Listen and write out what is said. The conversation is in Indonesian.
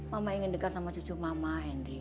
mama ingin dekat sama cucu mama hendy